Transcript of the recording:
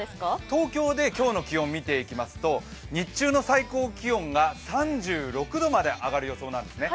東京で今日の気温を見ていきますと、日中の最高気温が３６度まで上がる予想なんですね